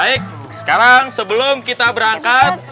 baik sekarang sebelum kita berangkat